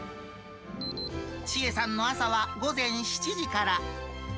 千恵さんの朝は、午前７時から。